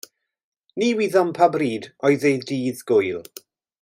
Ni wyddom pa bryd oedd ei ddydd Gŵyl.